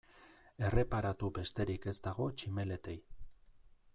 Erreparatu besterik ez dago tximeletei.